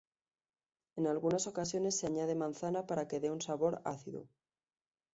En algunas ocasiones se añade manzana para que de un sabor ácido.